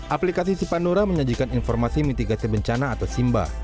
aplikasi sipandora menyajikan informasi mitigasi bencana atau simba